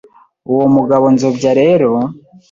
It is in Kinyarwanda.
Uwo mugabo Nzobya rero